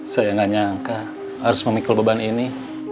saya nggak nyangka harus memikul beban ini